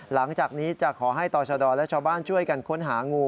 หลังจากนี้จะขอให้ต่อชะดอและชาวบ้านช่วยกันค้นหางู